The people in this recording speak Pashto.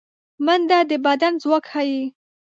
منډه د بدن ځواک ښيي